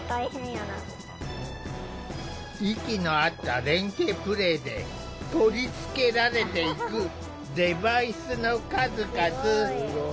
息の合った連係プレイで取り付けられていくデバイスの数々。